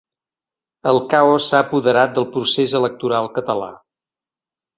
El caos s’ha apoderat del procés electoral català.